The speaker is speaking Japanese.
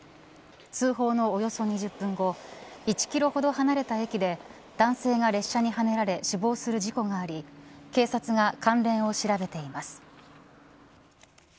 通報のおよそ２０分後１キロほど離れた駅で男性が列車にはねられ死亡する事故があり警察が関連を調べています。